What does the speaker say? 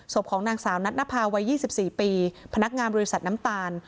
ของนางสาวนัทนภาวัย๒๔ปีพนักงานบริษัทน้ำตาล